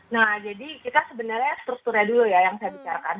nah jadi kita sebenarnya strukturnya dulu ya yang saya bicarakan